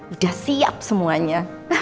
udah siap semuanya